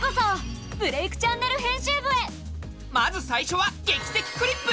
まず最初は「劇的クリップ」！